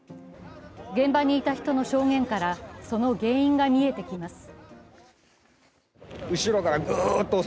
現場にいた人の証言からその原因が見えてきます。